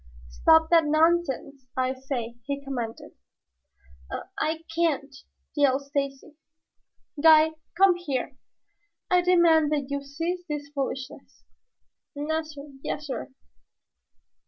"Stop that nonsense, I say!" he commanded. "I I can't," yelled Stacy. "Guide, come here! I demand that you cease this foolishness." "Nassir, yassir."